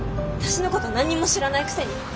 私のこと何にも知らないくせに。